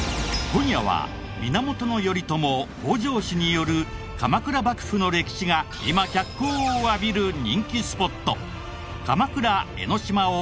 今夜は源頼朝北条氏による鎌倉幕府の歴史が今脚光を浴びる人気スポット